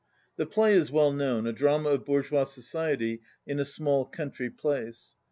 ^ The play is well known, a drama of bourgeois society in a small country place.